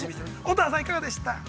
乙葉さん、いかがでした？